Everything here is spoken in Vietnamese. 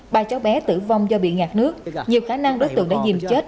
ba cháu bé tử vong do bị ngạt nước nhiều khả năng đối tượng đã dìm chết